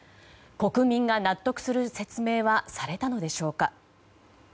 国民が納得する説明はされたのでしょうか。